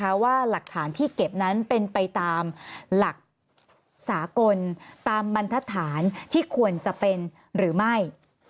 เพราะว่าหลักฐานที่เก็บนั้นเป็นไปตามหลักสากลตามบรรทฐานที่ควรจะเป็นหรือไม่